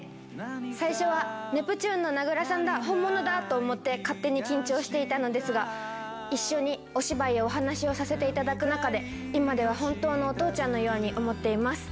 最初はネプチューンの名倉さんだ、本物だと思って、勝手に緊張していたのですが、一緒にお芝居やお話をさせていただく中で、今では本当のお父ちゃんのように思っています。